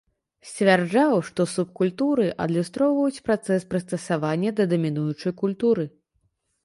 Сцвярджаў, што субкультуры адлюстроўваюць працэс прыстасавання да дамінуючай культуры.